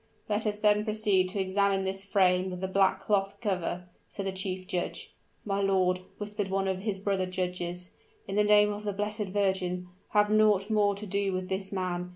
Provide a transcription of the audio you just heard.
"Let us then proceed to examine this frame with the black cloth cover," said the chief judge. "My lord," whispered one of his brother judges, "in the name of the Blessed Virgin! have naught more to do with this man.